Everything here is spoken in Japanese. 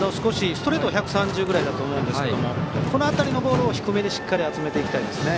ストレートは１３０くらいだと思うんですがこの辺りのボールを低めにしっかり集めていきたいですね。